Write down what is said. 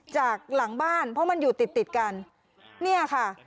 จากหลังบ้านเพราะมันอยู่ติดติดกันเนี่ยค่ะ